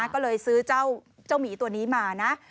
ก็เลยซื้อเจ้าหมีตัวนี้มานะ